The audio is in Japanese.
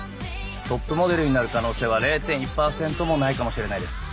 トップモデルになる可能性は０．１％もないかもしれないです。